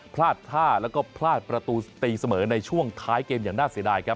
พลาดท่าแล้วก็พลาดประตูตีเสมอในช่วงท้ายเกมอย่างน่าเสียดายครับ